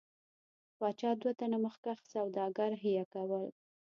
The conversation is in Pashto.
پاچا دوه تنه مخکښ سوداګر حیه کول.